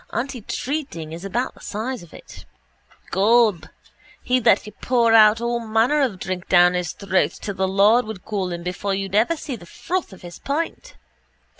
Antitreating is about the size of it. Gob, he'd let you pour all manner of drink down his throat till the Lord would call him before you'd ever see the froth of his pint.